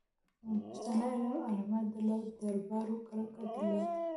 پښتانه علما له دربارو کرکه درلوده.